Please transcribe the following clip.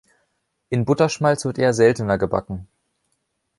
In Butterschmalz wird eher seltener gebacken.